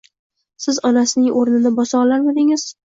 Siz onasining oʻrini bosa olarmidingiz